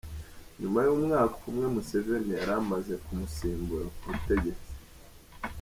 Nyuma y’umwaka umwe Museveni yari amaze kumusimbura ku butegetsi.